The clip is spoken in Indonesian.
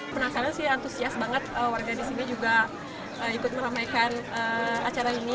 penasaran sih antusias banget warga di sini juga ikut meramaikan acara ini